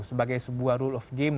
sebagai sebuah rule of game